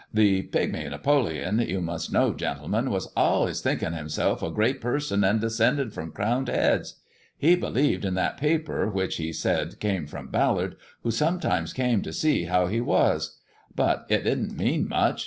" The Pigmy Napoleon, you must know, gentlemen, was Eillays thinking himself a great person and descended from crowned heads. He b'lieved in that paper, which he said came from Ballard, who sometimes came to see how he was ; 138 THE dwarf's chamber but it didn't mean much.